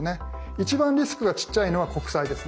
一番リスクがちっちゃいのは国債ですね。